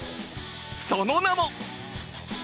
その名も